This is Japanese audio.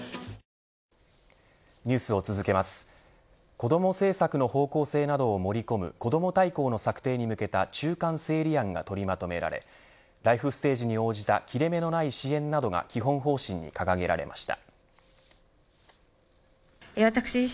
子ども政策の方向性などを盛り込むこども大綱の策定に向けた中間整理案が取りまとめられライフステージに応じた切れ目のない支援などが基本方針に掲げられました。